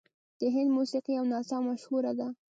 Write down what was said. د هند موسیقي او نڅا مشهوره ده.